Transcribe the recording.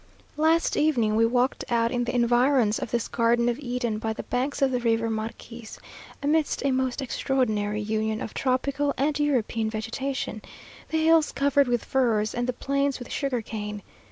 Last evening we walked out in the environs of this garden of Eden, by the banks of the river Marques, amidst a most extraordinary union of tropical and European vegetation; the hills covered with firs, and the plains with sugar cane.